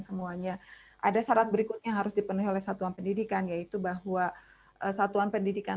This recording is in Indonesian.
semuanya ada syarat berikutnya harus dipenuhi oleh satuan pendidikan yaitu bahwa satuan pendidikan